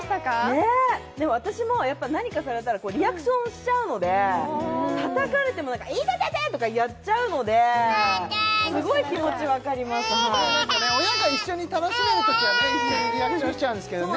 ねえでも私もやっぱ何かされたらリアクションしちゃうのでたたかれても「イテテテ！」とかやっちゃうのですごい気持ち分かりますはいだから親が一緒に楽しめるときは一緒にリアクションしちゃうんですけどね